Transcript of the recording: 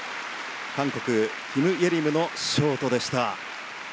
韓国、キム・イェリムのショートでした。